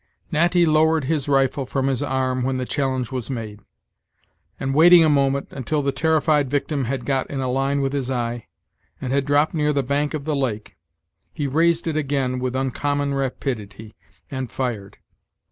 Natty lowered his rifle from his arm when the challenge was made, and waiting a moment, until the terrified victim had got in a line with his eye, and had dropped near the bank of the lake, he raised it again with uncommon rapidity, and fired.